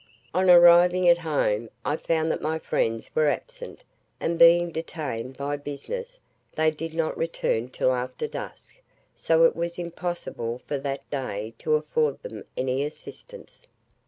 On arriving at home, I found that my friends were absent, and being detained by business, they did not return till after dusk, so it was impossible for that day to afford them any assistance.